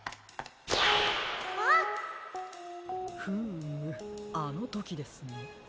フームあのときですね。